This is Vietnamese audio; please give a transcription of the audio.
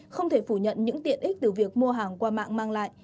không thể phủ nhận những tiện ích từ việc mua hàng qua mạng mang lại